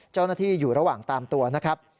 เจ้าหน้าที่อยู่ระหว่างตามตัวนะครับ